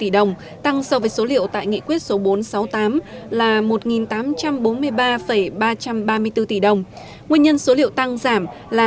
đồng tăng so với số liệu tại nghị quyết số bốn trăm sáu mươi tám là một nghìn tám trăm bốn mươi ba ba trăm ba mươi bốn tỷ đồng nguyên nhân số liệu tăng giảm là